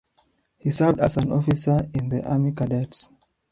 He served as an officer in the Army Cadets.